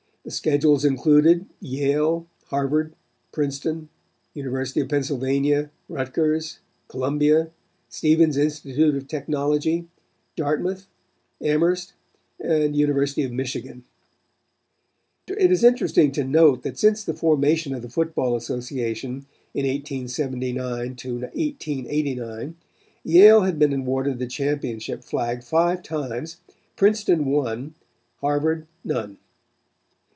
The schedules included, Yale, Harvard, Princeton, University of Pennsylvania, Rutgers, Columbia, Stevens Institute of Technology, Dartmouth, Amherst, and University of Michigan. It is interesting to note that since the formation of the Football Association, in 1879 to 1889, Yale had been awarded the championship flag five times, Princeton one, Harvard none.